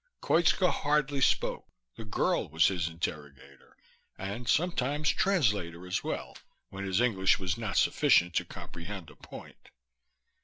Koitska hardly spoke. The girl was his interrogator, and sometimes translator as well, when his English was not sufficient to comprehend a point.